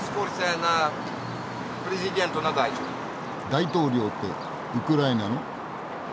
大統領ってウクライナの？